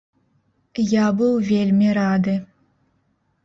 Я быў вельмі рады.